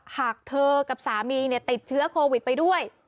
หากเธอกับสามีติดเชื้อโควิดไปด้วย